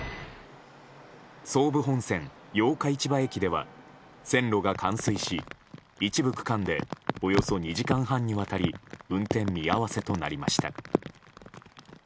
総武線八日市場駅では線路が冠水し一部区間でおよそ２時間半にわたり運転見合わせとなりました。